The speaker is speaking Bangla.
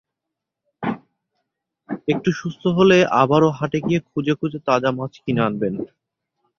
একটু সুস্থ হলে আবারও হাটে গিয়ে খুঁজে খুঁজে তাজা মাছ কিনে আনবেন।